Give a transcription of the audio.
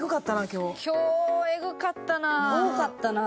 今日エグかったな。